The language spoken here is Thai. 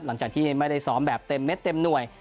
หลังจากที่ไม่ได้ซ้อมแบบเต็มเม็ดเต็มหน่วย